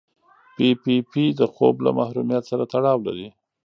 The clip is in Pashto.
پي پي پي د خوب له محرومیت سره تړاو لري.